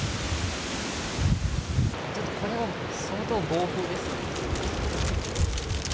ちょっとこれは相当暴風ですよね。